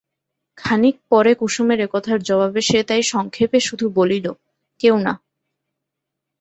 খানিক পরে কুসুমের একথার জবাবে সে তাই সংক্ষেপে শুধু বলিল, কেউ না।